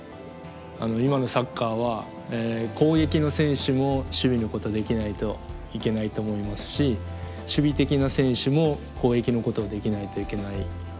今のサッカーは攻撃の選手も守備のことできないといけないと思いますし守備的な選手も攻撃のことをできないといけない。